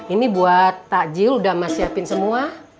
ini buat takjil udah masiapin semua